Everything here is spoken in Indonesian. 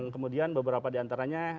kemudian beberapa diantaranya